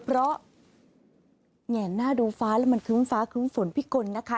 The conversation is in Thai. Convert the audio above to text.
เพราะหน้าดูฟ้าแล้วมันคื้มฟ้าคื้มฝนพี่กลนะคะ